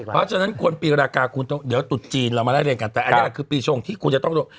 เพราะฉะนั้นคนปีรากาคุณต้องเดี๋ยวตุดจีนเรามาไล่เรียงกันแต่อันนี้แหละคือปีชงที่คุณจะต้องโดน